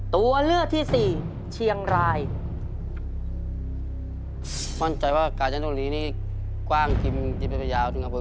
ตัวเลือกที่สี่เชียงราย